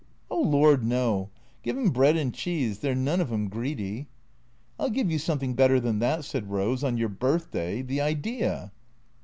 " Oh Lord, no. Give 'em bread and cheese. They 're none of 'em greedy." " I '11 give you something better than that," said Rose ;" on your birthday — the idea